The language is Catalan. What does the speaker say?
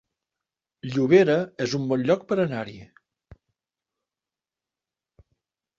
Llobera es un bon lloc per anar-hi